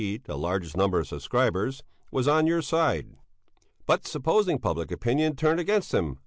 the largest number of subscribers, was on your side. "But supposing public opinion turned against him?"